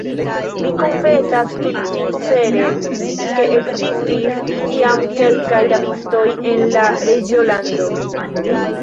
Mi konfesas tutsincere, ke ekzistis iam kelkaj rabistoj en la reĝolando.